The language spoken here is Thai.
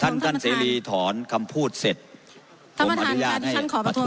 ท่านท่านเศรีย์ถอนคำพูดเสร็จท่านประธานค่ะที่ฉันขอประท้วง